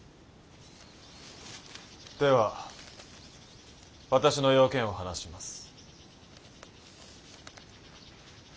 では私の要件を話します。